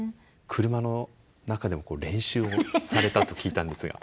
車の中で練習をされたと聞いたんですが。